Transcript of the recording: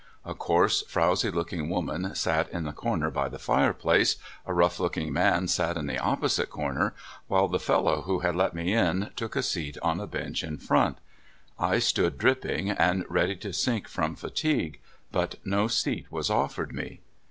A coarse, frowzy looking woman sat in the corner by the fireplace, a rough looking man sat in the opposite corner, while the fellow who had let me in took a seat on a bench in front. I stood dripping, and ready to sink from fatigue, but no seat was offered me.